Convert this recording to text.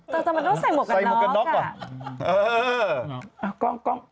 แต่จะมาต้องใส่หมวกกับน็อกค่ะ